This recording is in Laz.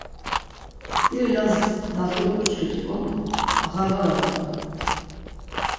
İri Lazis Lazuri uçkit̆uǩon do ağarğalat̆uǩon.